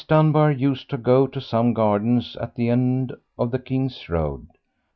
Dunbar used to go to some gardens at the end of the King's Road.